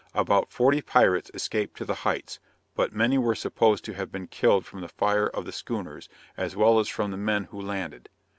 About forty pirates escaped to the heights, but many were supposed to have been killed from the fire of the schooners, as well as from the men who landed.